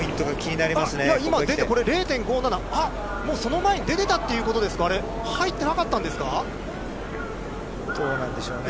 あっ今出て、０．５７、あっ、もうその前に出てたということですか、あれ、入ってなかったんですか。